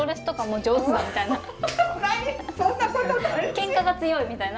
けんかが強いみたいな。